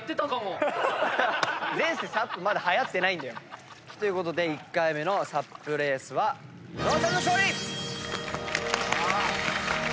前世ＳＵＰまだはやってない。ということで１回目のＳＵＰレースは伊野尾ちゃんの勝利！